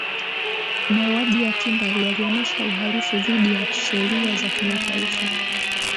mauaji ya kimbari yalionyesha uhalifu dhidi ya sheria za kimataifa